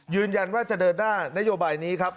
ยืนยันว่าจะเดินหน้านโยบายนี้ครับ